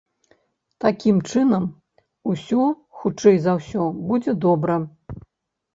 Такім чынам, усё, хутчэй за ўсё, будзе добра.